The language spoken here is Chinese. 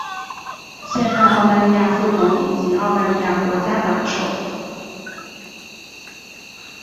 现任澳大利亚副总理及澳大利亚国家党党首。